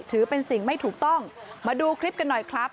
ถือเป็นสิ่งไม่ถูกต้องมาดูคลิปกันหน่อยครับ